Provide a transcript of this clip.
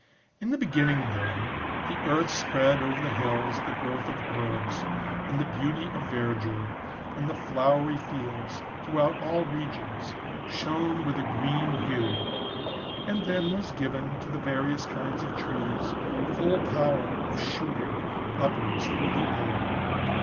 In the beginning, then, the earth spread over the hills the growth of herbs, and the beauty of verdure, and the flowery fields, throughout all regions, shone with a green hue ; and then was given, to the various kinds of trees, full power of shooting upwards through the air.